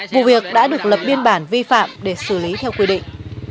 vụ việc đã được lập biên bản vi phạm để xử lý theo quy định